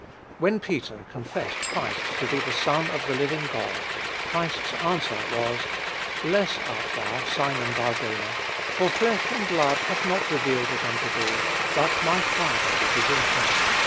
When Peter confessed Christ to be the Son of the living God, Christ's answer was, "Blessed art thou, Simon Bar jonah; for flesh and blood hath not revealed it unto thee, but my Father which is in heaven.